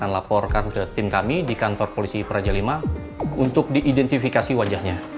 laporkan ke tim kami di kantor polisi praja v untuk diidentifikasi wajahnya